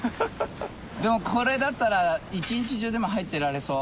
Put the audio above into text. でもこれだったら一日中でも入ってられそう。